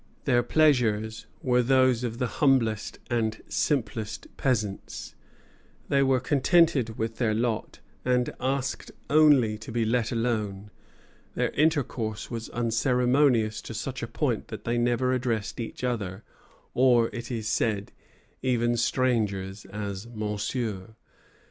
Their pleasures were those of the humblest and simplest peasants; they were contented with their lot, and asked only to be let alone. Their intercourse was unceremonious to such a point that they never addressed each other, or, it is said, even strangers, as monsieur.